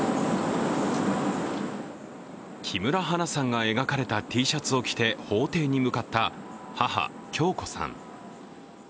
木村花さんが描かれたＴシャツを着て法廷に向かった母・響子さん。